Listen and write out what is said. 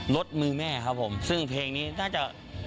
รถมือแม่ครับผมซึ่งเพลงนี้น่าจะ